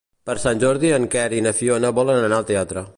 Per Sant Jordi en Quer i na Fiona volen anar al teatre.